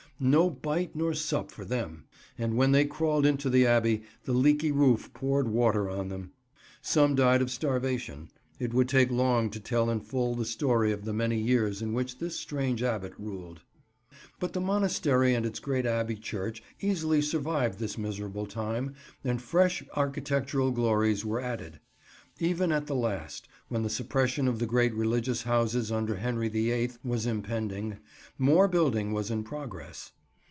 No bite nor sup for them; and when they crawled into the Abbey, the leaky roof poured water on them. Some died of starvation. It would take long to tell in full the story of the many years in which this strange Abbot ruled. But the monastery and its great Abbey church easily survived this miserable time, and fresh architectural glories were added. Even at the last, when the suppression of the great religious houses under Henry the Eighth was impending, more building was in progress.